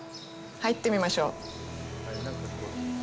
入ってみましょう。